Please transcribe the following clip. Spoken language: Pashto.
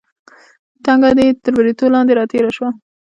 ټنګه دې تر بریتو لاندې راتېره شوه.